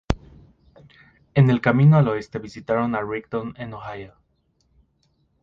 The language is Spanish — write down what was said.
En el camino al oeste, visitaron a Rigdon en Ohio.